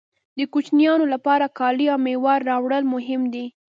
د کوچنیانو لپاره کالي او مېوه راوړل مهم دي